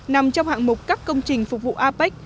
nằm trong hạng mục các công trình phục vụ apec